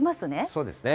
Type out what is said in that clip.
そうですね。